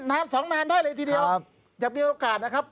นานสองแมนได้เลยทีเดียวครับอยากมีโอกาสนะครับ